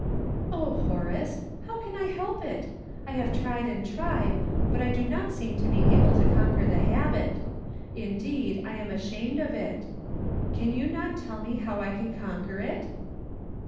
" Oh, Horace ! How can I help it ? I have tried and tried, but I do not seem to be able to conquer the habit. Indeed, I am ashamed of it. Can you not tell me how I can con quer it